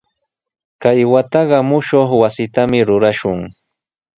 Kay wataqa mushuq wasitami rurashun.